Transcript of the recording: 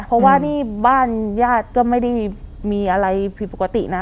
เพราะว่านี่บ้านญาติก็ไม่ได้มีอะไรผิดปกตินะ